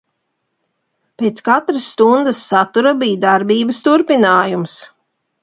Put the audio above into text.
Pēc katras stundas satura bija darbības turpinājums.